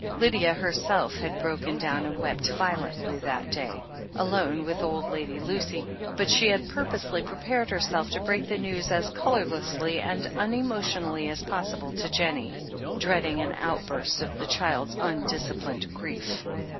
Lydia herself had broken down and wept violently that day, alone with old Lady Lucy, but she had pur posely prepared herself to break the news as colourlessly and unemotionally as possible to Jennie, dreading an outburst of the child's undisciplined grief.